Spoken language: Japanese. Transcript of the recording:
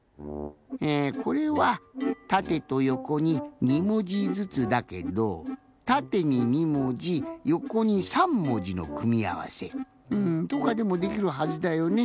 えこれはたてとよこに２もじずつだけどたてに２もじよこに３もじのくみあわせとかでもできるはずだよね。